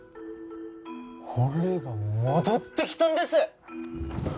ほれが戻ってきたんです！